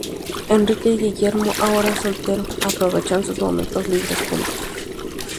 Enrique y Guillermo, ahora soltero, aprovechan sus momentos libres juntos.